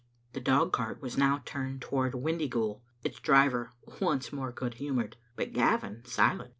The dog cart was now turned toward Windyghoul, its driver once more good humoured, but Gavin si lent.